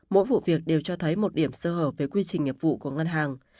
mỗi vụ việc đều cho thấy một điểm sơ hở về quy trình nghiệp vụ của ngân hàng